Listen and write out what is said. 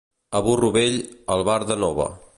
A burro vell, albarda nova.